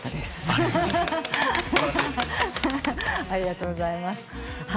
ありがとうございます。